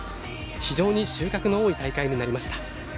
非常に収穫の多い大会になりました。